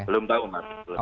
belum tahu mas